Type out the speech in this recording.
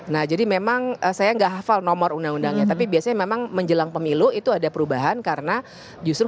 nah jadi memang saya nggak hafal nomor undang undangnya tapi biasanya memang menjelang pemilu itu ada perubahan karena justru